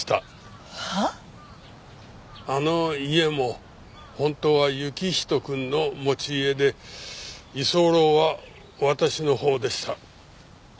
あの家も本当は行人くんの持ち家で居候は私のほうでした。